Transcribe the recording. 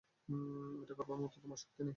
এটা করবার মতো তোমার শক্তি নেই।